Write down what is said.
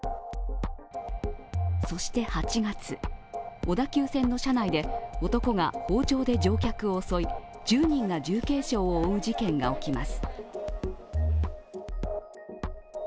そして８月、小田急線の車内で男が包丁で乗客を襲い、１０人が重軽傷を負う事件が起きます。